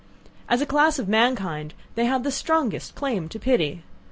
As a class of mankind they have the strongest claim to pity!